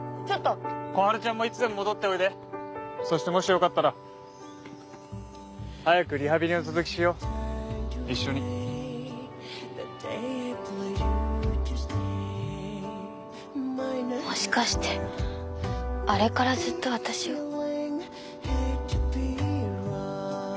ちょっと小春ちゃんもいつでも戻っておいでそしてもしよかったら早くリハビリの続きしよう一緒にもしかしてあれからずっとあたしを？